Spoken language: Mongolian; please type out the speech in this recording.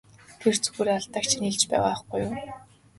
Тэр зүгээр л алдааг чинь хэлж байгаа байхгүй юу!